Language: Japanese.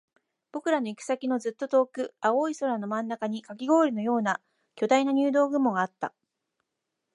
僕らの行く先のずっと遠く、青い空の真ん中にカキ氷のような巨大な入道雲があった